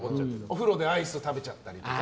お風呂でアイス食べちゃったりとか。